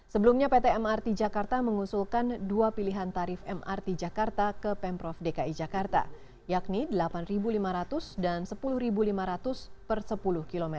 sebelumnya pt mrt jakarta mengusulkan dua pilihan tarif mrt jakarta ke pemprov dki jakarta yakni rp delapan lima ratus dan rp sepuluh lima ratus per sepuluh km